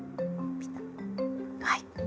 はい。